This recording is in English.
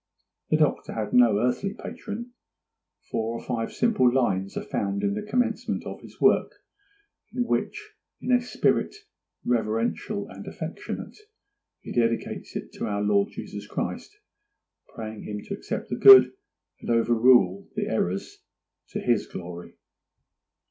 The Doctor had no earthly patron. Four or five simple lines are found in the commencement of his work, in which, in a spirit reverential and affectionate, he dedicates it to our Lord Jesus Christ, praying Him to accept the good, and to overrule the errors to His glory.